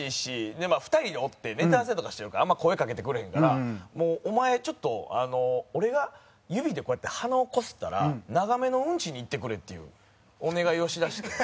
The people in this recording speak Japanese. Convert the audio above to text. でまあ２人でおってネタ合わせとかしてるからあんま声かけてくれへんからお前ちょっと俺が指でこうやって鼻をこすったら長めのうんちに行ってくれっていうお願いをしだして。